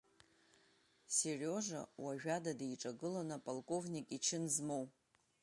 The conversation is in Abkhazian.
Сериожа уажәада диҿагыланы аполковник ичын змоу…